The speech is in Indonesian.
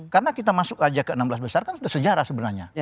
karena kita masuk saja ke enam belas besar kan sudah sejarah sebenarnya